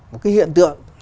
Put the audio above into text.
một cái hiện tượng